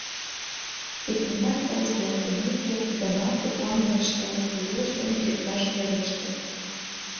Икмыняр тылзе эртымеке гына тудлан уэш ялысе илыш дене тӱкнаш вереште.